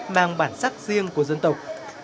mang bản sắc riêng của dân tộc